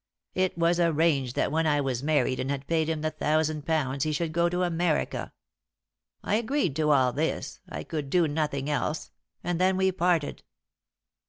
It was arranged that when I was married and had paid him the thousand pounds he should go to America. I agreed to all this I could do nothing else and then we parted."